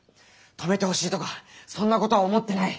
止めてほしいとかそんなことは思ってない。